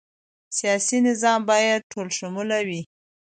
سیاسي نظام باید ټولشموله وي